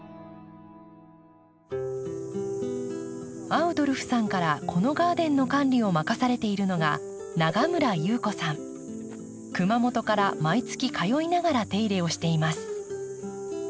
アウドルフさんからこのガーデンの管理を任されているのが熊本から毎月通いながら手入れをしています。